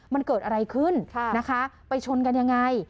มันเกิดอะไรขึ้นนะคะไปชนกันยังไง